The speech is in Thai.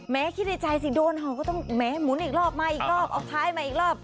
คิดในใจสิโดนเห่าก็ต้องแม้หมุนอีกรอบมาอีกรอบเอาท้ายมาอีกรอบ